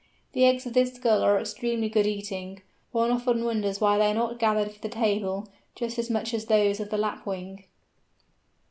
The eggs of this Gull are extremely good eating. One often wonders why they are not gathered for the table, just as much as those of the Lapwing.